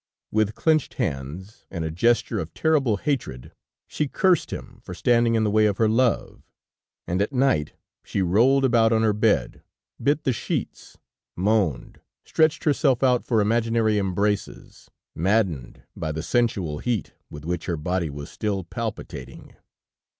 With clenched hands, and a gesture of terrible hatred, she cursed him for standing in the way of her love, and at night, she rolled about on her bed, bit the sheets, moaned, stretched herself out for imaginary embraces, maddened by the sensual heat with which her body was still palpitating.